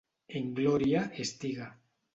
En glòria estiga.